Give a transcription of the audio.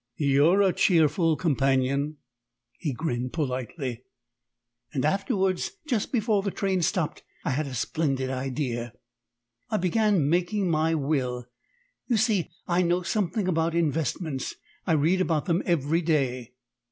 "You are a cheerful companion!" He grinned politely. "And afterwards just before the train stopped I had a splendid idea. I began making my will. You see, I know something about investments. I read about them every day."